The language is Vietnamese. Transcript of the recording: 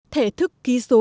thể thức ký số